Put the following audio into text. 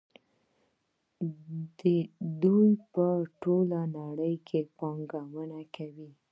دوی په ټوله نړۍ کې پانګونه کوي.